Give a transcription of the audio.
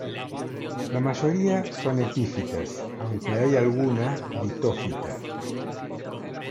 La mayoría son epífitas aunque hay alguna litófita.